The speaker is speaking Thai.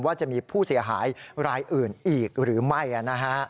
ว่าจะมีผู้เสียหายรายอื่นอีกหรือไม่นะฮะ